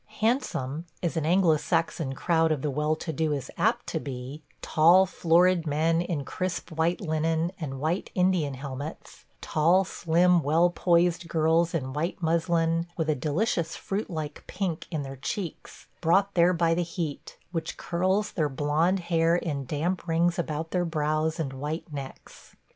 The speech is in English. Handsome, as an Anglo Saxon crowd of the well to do is apt to be – tall, florid men in crisp white linen and white Indian helmets; tall, slim, well poised girls in white muslin, with a delicious fruit like pink in their cheeks, brought there by the heat, which curls their blond hair in damp rings about their brows and white necks.